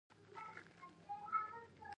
د موزیک لیسه د پوهنې وزارت په چوکاټ کې تاسیس شوه.